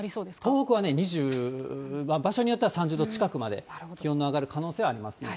東北は２０、場所によっては３０度近くまで、気温の上がる可能性はありますね。